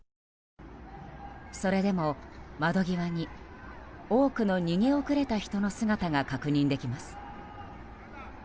それでも窓際に多くの逃げ遅れた人の姿が確認できます。